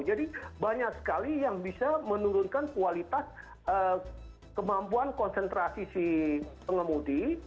jadi banyak sekali yang bisa menurunkan kualitas kemampuan konsentrasi si pengemudi